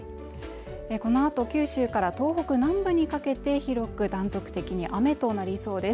この後九州から東北南部にかけて広く断続的に雨となりそうです。